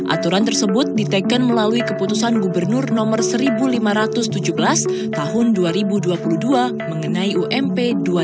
aturan tersebut ditekan melalui keputusan gubernur nomor seribu lima ratus tujuh belas tahun dua ribu dua puluh dua mengenai ump dua ribu dua puluh